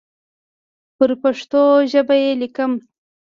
پر پښتو ژبه یې لیکم.